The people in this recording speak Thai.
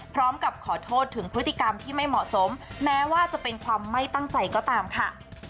พร้อมกับขอโทษถึงพฤติกรรมที่ไม่เหมาะสมแม้ว่าจะเป็นความไม่ตั้งใจก็ตามค่ะ